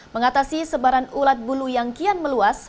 mengatasi sebaran ulat bulu yang kian meluas